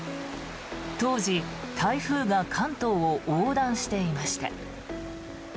当時、台風が関東を横断していました。